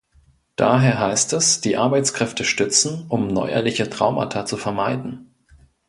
Daher heißt es, die Arbeitskräfte stützen, um neuerliche Traumata zu vermeiden.